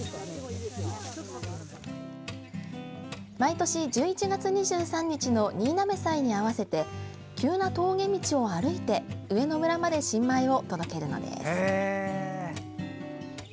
毎年１１月２３日の新嘗祭に合わせて急な峠道を歩いて上野村まで新米を届けるのです。